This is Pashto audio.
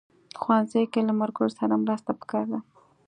ښوونځی کې له ملګرو سره مرسته پکار ده